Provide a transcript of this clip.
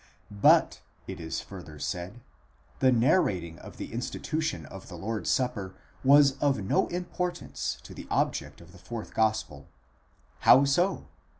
But, it is further said, the narrating of the institution of the Lord's supper was of no importance to the object of the fourth gospel.® How so?